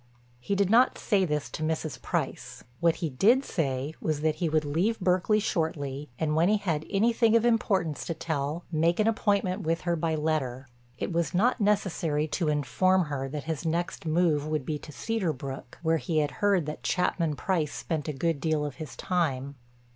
He did not say this to Mrs. Price. What he did say was that he would leave Berkeley shortly and when he had anything of importance to tell make an appointment with her by letter. It was not necessary to inform her that his next move would be to Cedar Brook where he had heard that Chapman Price spent a good deal of his time.